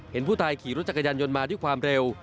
เห็นผู้ตายขี่รถจักรยานยนต์มาด้วยความเร็ว